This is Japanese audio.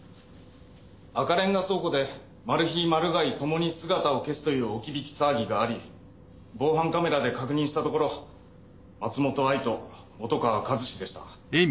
赤レンガ倉庫でマル被マル害ともに姿を消すという置き引き騒ぎがあり防犯カメラで確認したところ松本藍と本川和志でした。